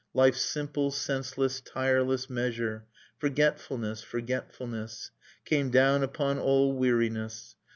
Life's simple, senseless, tireless measure Forget fulness, forgetfulness, Came down upon all weariness.